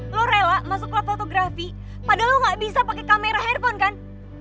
lo rela masuk club fotografi padahal lo gak bisa pake kamera headphone kan